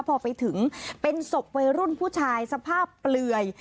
พอไปถึงเป็นศพวัยรุ่นผู้ชายสภาพเปลือย